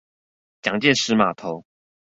蔣介石碼頭